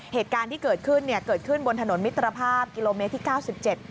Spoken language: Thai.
เหตุการณ์ที่เกิดขึ้นเนี่ยเกิดขึ้นบนถนนมิตรภาพกิโลเมตรที่เก้าสิบเจ็ด